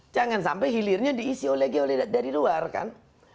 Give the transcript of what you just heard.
jangan sampai hilirnya diisi oleh geolidat dari luar kan